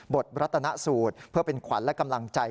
ตรัตนสูตรเพื่อเป็นขวัญและกำลังใจ